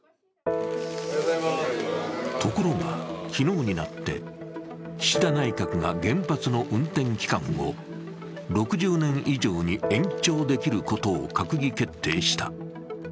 ところが昨日になって岸田内閣が原発の運転期間を６０年以上に延長できることを閣議決定した。